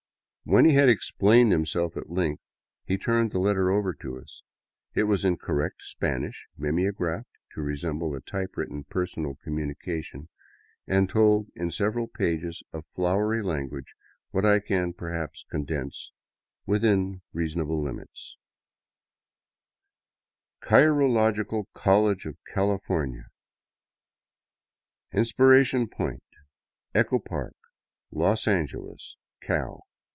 When he had explained himself at length, he turned the letter over to us. It was in correct Spanish, mimeographed to resemble a typewritten personal communica tion, and told in several pages of flowery language what I can per haps condense within reasonable limits: CHIROLOGICAL COLLEGE OF CALIFORNIA Inspiration Point, Echo Park, Los Angeles, Cal.